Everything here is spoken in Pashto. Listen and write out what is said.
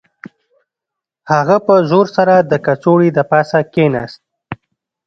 هغه په زور سره د کڅوړې د پاسه کښیناست